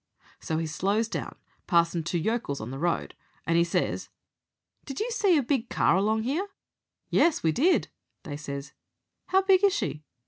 So he slows down passin' two yokels on the road, and he says, 'Did you see a big car along 'ere?' "'Yes, we did,' they says. "'How big is she?'